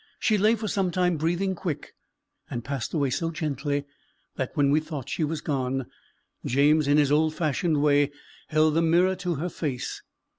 She lay for some time breathing quick, and passed away so gently, that when we thought she was gone, James, in his old fashioned way, held the mirror to her face.